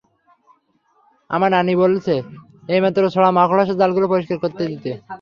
আমার নানী বলছে, এইমাত্র ছোঁড়া মাকড়সার জালগুলো পরিষ্কার করে দিতে।